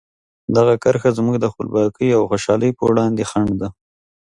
دغه کرښه زموږ د خپلواکۍ او خوشحالۍ په وړاندې خنډ ده.